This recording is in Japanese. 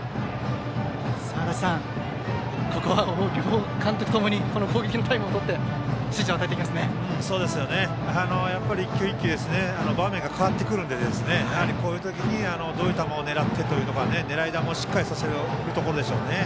足達さん、ここは両監督共に攻撃のタイムを取って１球１球場面が変わってくるのでこういう時にどういう球を狙ってという狙い球をしっかりさせるところでしょうね。